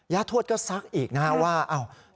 ย่าทวชก็ซักอีกนะว่าอ้าว